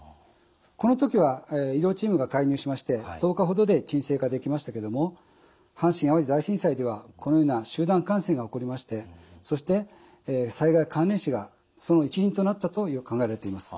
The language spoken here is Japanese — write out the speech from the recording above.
この時は医療チームが介入しまして１０日ほどで鎮静化できましたけども阪神・淡路大震災ではこのような集団感染が起こりましてそして災害関連死その一因となったと考えられています。